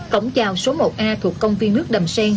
cổng trào số một a thuộc công viên nước đầm sen